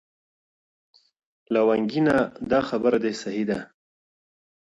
لونگيه دا خبره دې سهې ده.